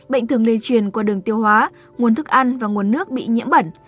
bệnh thường lây truyền qua đường tiêu hóa nguồn thức ăn và nguồn nước bị nhiễm bẩn